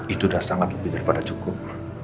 itu sudah sangat lebih daripada cukup